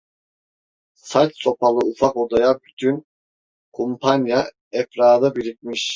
Sac sobalı ufak odaya bütün kumpanya efradı birikmiş.